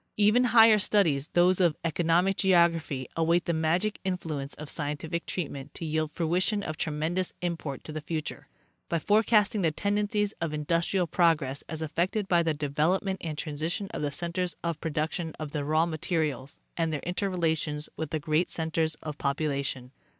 Even higher studies, those of economic geography, await the magic influence of scientific treatment to yield fruition of tre mendous import to the future, by forecasting the tendencies of industrial progress as affected by the development and _ transi tion of the centers of production of the raw materials, and their interrelations with the great centers of population.